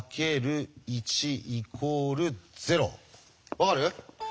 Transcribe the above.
分かる？